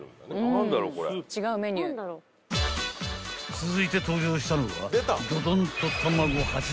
［続いて登場したのはドドンと］